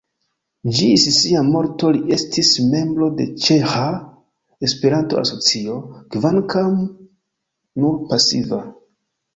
Ĝis sia morto li estis membro de Ĉeĥa Esperanto-Asocio, kvankam nur pasiva.